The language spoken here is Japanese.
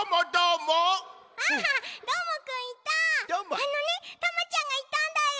あのねタマちゃんがいたんだよ。